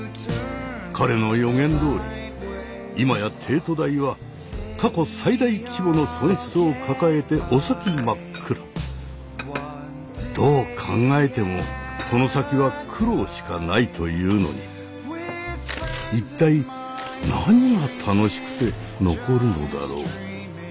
彼の予言どおり今や帝都大は過去最大規模の損失を抱えてお先真っ暗どう考えてもこの先は苦労しかないというのに一体何が楽しくて残るのだろう。